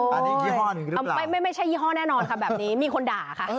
อันนี้ยี่ห้อหนึ่งไม่ใช่ยี่ห้อแน่นอนค่ะแบบนี้มีคนด่าค่ะ